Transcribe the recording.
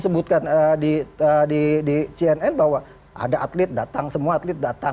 faktanya tadi yang disebutkan di cnn bahwa ada atlet datang semua atlet datang